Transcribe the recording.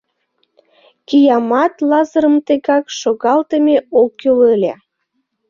Киямат Лазырым тегак шогалтыме ок кӱл ыле.